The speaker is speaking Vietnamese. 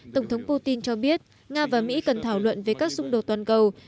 tổng thống putin cho biết nga và mỹ cần thảo luận về các xung đột toàn cầu